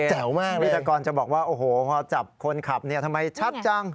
มากวิทยากรจะบอกว่าโอ้โหพอจับคนขับเนี่ยทำไมชัดจัง